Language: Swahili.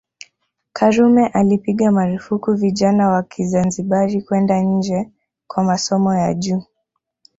Karume alipiga marufuku vijana wa Kizanzibari kwenda nje kwa masomo ya juu